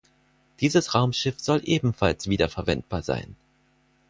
Dieses Raumschiff soll ebenfalls wiederverwendbar sein.